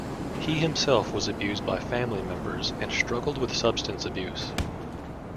He himself was abused by family members and struggled with substance abuse.